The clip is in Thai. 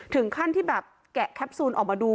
ถึงขั้นที่แบบแกะแคปซูลออกมาดู